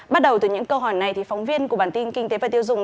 bắt đầu từ những câu hỏi này thì phóng viên của bản tin kinh tế và tiêu dùng